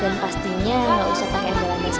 dan pastinya gak usah pake angkasa angkasa